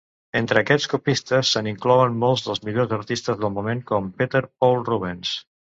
Entre aquests copistes se n'inclouen molts dels millors artistes del moment, com Peter Paul Rubens.